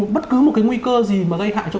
bất cứ một cái nguy cơ gì mà gây hại cho